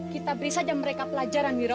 kita beri saja mereka pelajaran wira